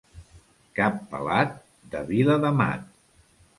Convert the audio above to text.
Cap pelat, de Viladamat.